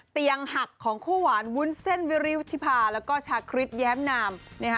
เตียงหักของคู่หวานวุ้นเส้นวิริวุฒิภาแล้วก็ชาคริสแย้มนาม